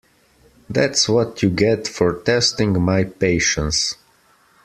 That’s what you get for testing my patience.